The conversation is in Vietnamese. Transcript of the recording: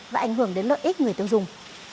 và ảnh hưởng đến lợi ích người tiêu dùng